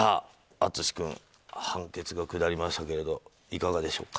淳君、判決が下りましたがいかがでしょうか。